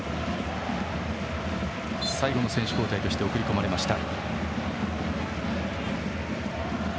最後の選手交代として送り込まれました。